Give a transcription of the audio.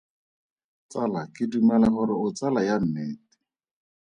Tsala ke dumela gore o tsala ya nnete.